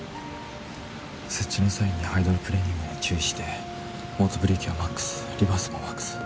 接地の際にハイドロプレーニングに注意してオートブレーキはマックスリバースもマックス。